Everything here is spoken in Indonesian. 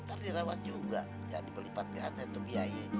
ntar dirawat juga jangan dibeli empat jahat itu biaya